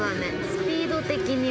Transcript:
スピード的には。